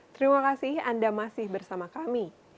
terima kasih anda masih bersama kami